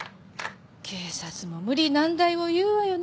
警察も無理難題を言うわよね。